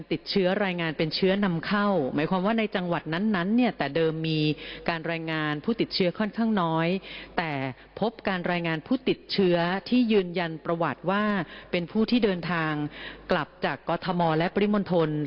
ตัวเลขที่แสดงสูงและเป็นกราฟสีน้ำเงิน